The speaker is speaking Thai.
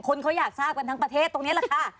คนเขาอยากทราบกันทั้งประเทศตรงนี้แหละค่ะ